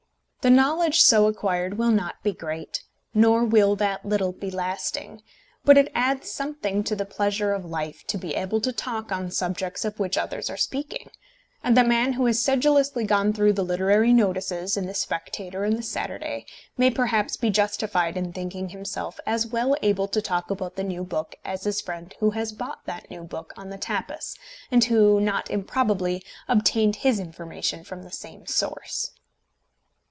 The knowledge so acquired will not be great, nor will that little be lasting; but it adds something to the pleasure of life to be able to talk on subjects of which others are speaking; and the man who has sedulously gone through the literary notices in the Spectator and the Saturday may perhaps be justified in thinking himself as well able to talk about the new book as his friend who has brought that new book on the tapis, and who, not improbably, obtained his information from the same source.